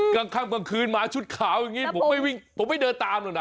กลางค่ำกลางคืนมาชุดขาวอย่างนี้ผมไม่เดินตามเลยนะ